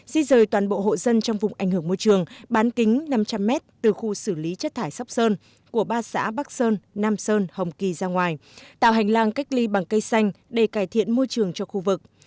di rời toàn bộ hộ dân trong vùng ảnh hưởng môi trường bán kính năm trăm linh m từ khu xử lý chất thải sóc sơn của ba xã bắc sơn nam sơn hồng kỳ ra ngoài tạo hành lang cách ly bằng cây xanh để cải thiện môi trường cho khu vực